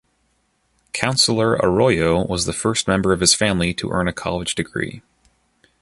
Councillor Arroyo was the first member of his family to earn a college degree.